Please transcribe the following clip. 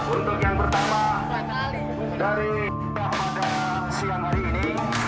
untuk yang pertama dari bahwa siang hari ini